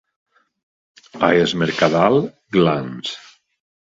A es Mercadal, glans.